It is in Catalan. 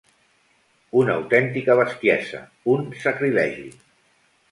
Una autèntica bestiesa, un sacrilegi!